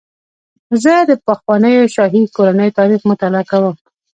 زه د پخوانیو شاهي کورنیو تاریخ مطالعه کوم.